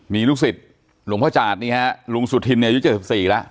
มีลูกศิษย์หลวงพ่อจาดนี่ฮะหลวงสุทินอายุเจ็บสิบสี่แล้ว